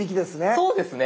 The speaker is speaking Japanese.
そうですね